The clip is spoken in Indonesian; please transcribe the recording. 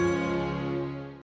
tapi dari atas